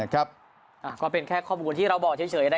ก็เป็นแค่ข้อมูลที่เราบอกเฉย